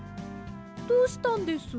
どうしたんです？